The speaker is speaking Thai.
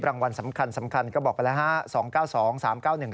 รางวัลสำคัญก็บอกไปแล้วฮะ